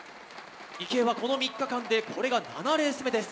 池江は、この３日間でこれが７レース目です。